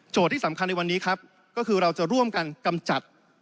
ที่สำคัญในวันนี้ครับก็คือเราจะร่วมกันกำจัด